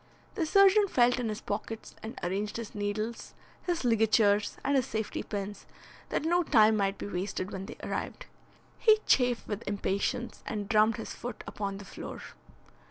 The surgeon felt in his pockets and arranged his needles, his ligatures and his safety pins, that no time might be wasted when they arrived. He chafed with impatience and drummed his foot upon the floor.